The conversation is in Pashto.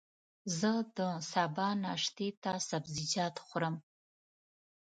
زه د سبا ناشتې ته سبزيجات خورم.